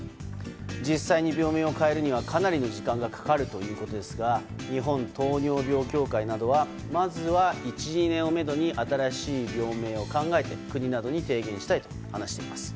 実際に病名を変えるにはかなりの時間がかかるということですが日本糖尿病協会などはまずは、１２年をめどに新しい病名を考えて国などに提言したいと話しています。